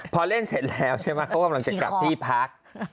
พอเล่นเสร็จแล้วใช่ไหมเขากำลังจะกลับที่พัก